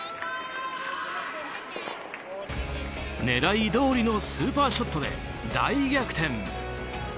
狙いどおりのスーパーショットで大逆転。